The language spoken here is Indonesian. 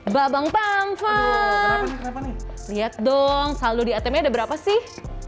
babang pam pam aduh kenapa nih lihat dong saldo di atm nya ada berapa sih